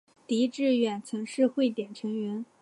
狄志远曾是汇点成员。